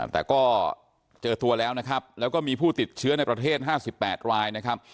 แต่ก็เจอตัวแล้วนะครับแล้วก็มีผู้ติดเชื้อในประเทศ๕๘รายนะครับ